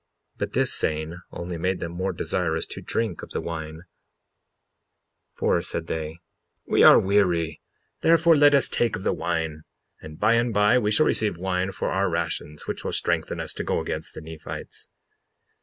But this saying only made them more desirous to drink of the wine; 55:11 For, said they: We are weary, therefore let us take of the wine, and by and by we shall receive wine for our rations, which will strengthen us to go against the Nephites.